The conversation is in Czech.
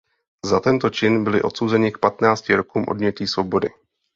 Za tento čin byli odsouzeni k patnácti rokům odnětí svobody.